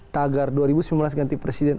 tagar dua ribu sembilan belas ganti presiden